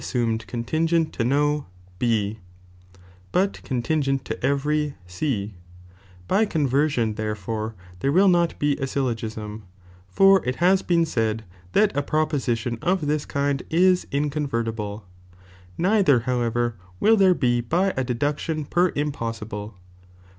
sumed contingent to no B, but contingent to (E) contineeni every C ; by conversion, therefore, there will not flitare no*y!io ^^* Syllogism, for it has been said that a proposi Riioi it mn tion of this kind is inconvertible, neither, however, will there bo by a deduction per impossibile.